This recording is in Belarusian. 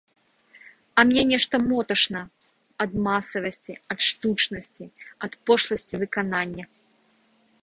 А мне нешта моташна ад масавасці, ад штучнасці, ад пошласці выканання.